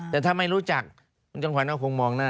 แต่ถ้าไม่รู้จักคุณจำขวัญก็คงมองหน้า